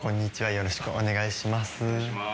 よろしくお願いします。